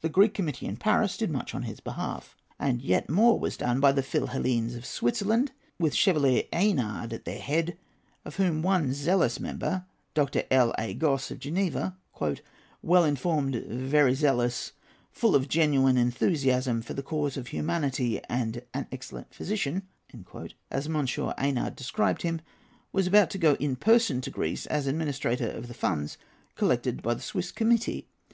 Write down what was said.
The Greek Committee in Paris did much on his behalf, and yet more was done by the Philhellenes of Switzerland, with Chevalier Eynard at their head, of whom one zealous member, Dr. L.A. Gosse, of Geneva, "well informed, very zealous, full of genuine enthusiasm for the cause of humanity, and an excellent physician," as M. Eynard described him, was about to go in person to Greece, as administrator of the funds collected by the Swiss Committee.